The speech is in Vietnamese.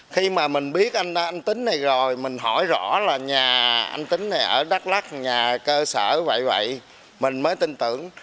khi mà mình biết anh tính này rồi mình hỏi rõ là nhà anh tính này ở đắk lắc nhà cơ sở vậy vậy mình mới tin tưởng